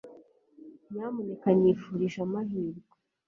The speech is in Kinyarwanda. nyamuneka nyifurije amahirwe